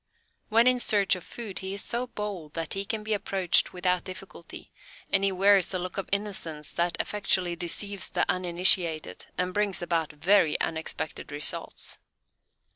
When in search of food he is so bold that he can be approached without difficulty, and he wears a look of innocence that effectually deceives the uninitiated, and brings about very unexpected results.